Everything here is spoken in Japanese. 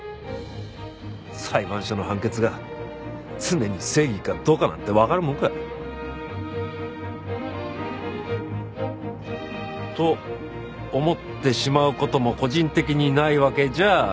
裁判所の判決が常に正義かどうかなんてわかるもんか。と思ってしまう事も個人的にないわけじゃない。